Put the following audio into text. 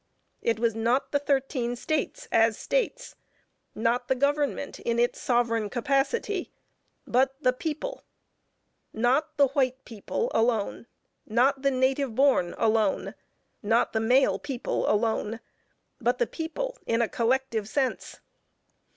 It was not the thirteen States as States, not the government in its sovereign capacity, but the people: not the white people alone, not the native born alone, not the male people alone, but the people in a collective sense.